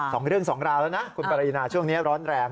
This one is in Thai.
สองเรื่องสองราวแล้วนะคุณปรินาช่วงนี้ร้อนแรง